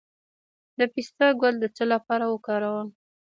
د پسته ګل د څه لپاره وکاروم؟